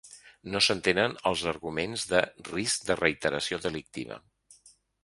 No s’entenen els arguments de “risc de reiteració delictiva”.